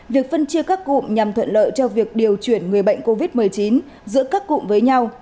việc phân chia các cụm nhằm thuận lợi cho việc điều chuyển người bệnh covid một mươi chín giữa các cụm với nhau